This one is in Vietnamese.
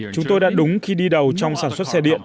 chúng tôi đã đúng khi đi đầu trong sản xuất xe điện